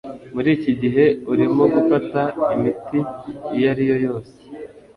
Muri iki gihe urimo gufata imiti iyo ari yo yose?